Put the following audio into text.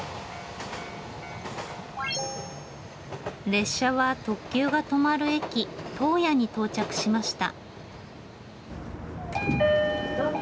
列車は特急が止まる駅洞爺に到着しました。